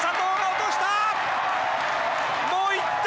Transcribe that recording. もう１点！